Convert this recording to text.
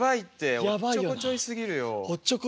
おっちょこちょいすぎるよな。